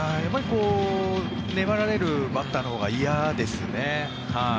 粘られるバッターのほうが嫌ですね。